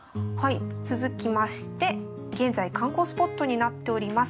続きまして現在観光スポットになっております